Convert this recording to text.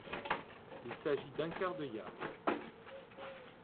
Il s'agit d'un quart de yard.